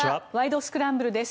スクランブル」です。